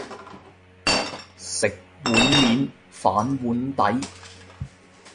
食碗麵反碗底